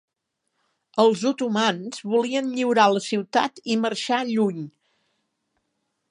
Els otomans volien lliurar la ciutat i marxar lluny.